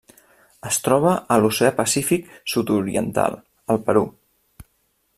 Es troba a l'Oceà Pacífic sud-oriental: el Perú.